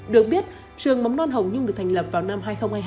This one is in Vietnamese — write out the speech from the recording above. được biết trường mầm non hồng nhung được thành lập vào năm hai nghìn hai mươi hai